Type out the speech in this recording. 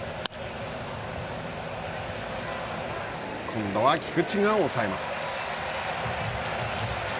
今度は菊池が抑えます。